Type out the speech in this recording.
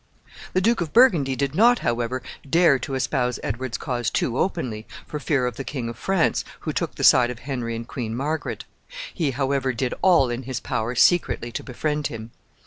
The Duke of Burgundy did not, however, dare to espouse Edward's cause too openly, for fear of the King of France, who took the side of Henry and Queen Margaret. He, however, did all in his power secretly to befriend him.